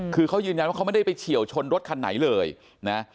คือเขายืนยันว่าเขาไม่ได้ไปเฉียวชนรถคันไหนเลยนะ